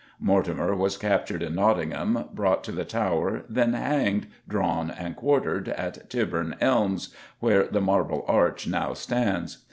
Mortimer was captured at Nottingham, brought to the Tower, then hanged, drawn, and quartered at Tyburn Elms where the Marble Arch now stands.